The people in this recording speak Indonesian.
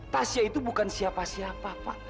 tasyah itu bukan siapa siapa pak